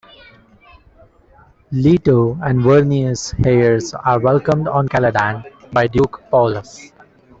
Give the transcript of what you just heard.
Leto and the Vernius heirs are welcomed on Caladan by Duke Paulus.